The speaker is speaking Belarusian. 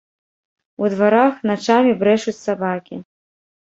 У дварах начамі брэшуць сабакі.